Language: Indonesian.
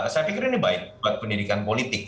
saya pikir ini baik buat pendidikan politik